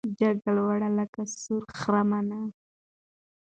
جګه لوړه لکه سرو خرامانه